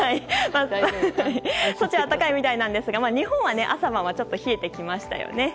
そちらは暖かいみたいなんですが日本は朝晩はちょっと冷えてきましたよね。